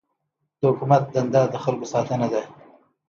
د حکومت دنده د خلکو ساتنه ده.